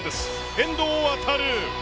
遠藤航。